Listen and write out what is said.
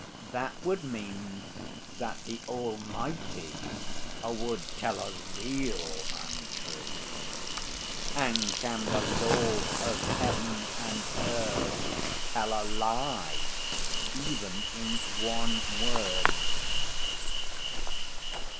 That would mean that the Almighty would tell a real untruth. And can the Lord of Heaven and earth tell a lie, even in one word?"